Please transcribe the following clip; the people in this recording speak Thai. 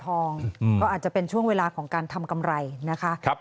ก็อาจจะเป็นช่วงเวลาของการทำกำไรนะคะ